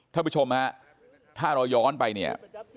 ท่านผู้ชมฮะถ้าเราย้อนไปเนี่ย